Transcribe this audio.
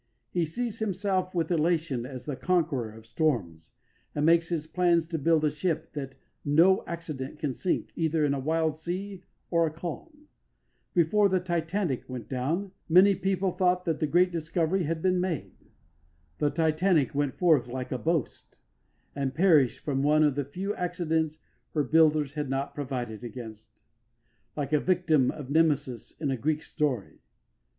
He sees himself with elation as the conqueror of storms, and makes his plans to build a ship that no accident can sink either in a wild sea or a calm. Before the Titanic went down many people thought that the great discovery had been made. The Titanic went forth like a boast, and perished from one of the few accidents her builders had not provided against, like a victim of Nemesis in a Greek story.